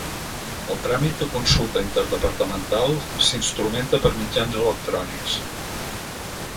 El tràmit de consulta interdepartamental s'instrumenta per mitjans electrònics.